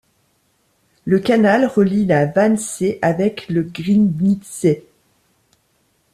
Le canal relie le Wannsee avec le Griebnitzsee.